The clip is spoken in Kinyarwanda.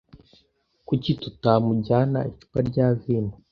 Kuki tutamujyana icupa rya vino?